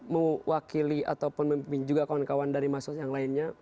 mewakili ataupun memimpin juga kawan kawan dari mahasiswa yang lainnya